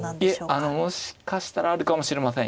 いえあのもしかしたらあるかもしれません。